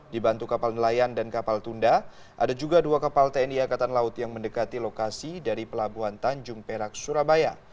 dibantu kapal nelayan dan kapal tunda ada juga dua kapal tni angkatan laut yang mendekati lokasi dari pelabuhan tanjung perak surabaya